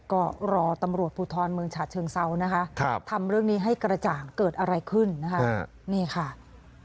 ก็รอตำรวจภูทรเมืองฉะเชิงเซานะคะทำเรื่องนี้ให้กระจ่างเกิดอะไรขึ้นนะคะนี่ค่ะ